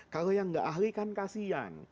kalau yang nggak ahli kan kasian